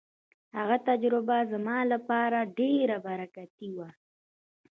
هغه تجربه زما لپاره ډېره برکتي وه.